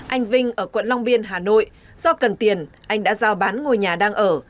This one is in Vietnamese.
anh vinh ở quận long biên hà nội do cần tiền anh đã giao bán ngôi nhà đang ở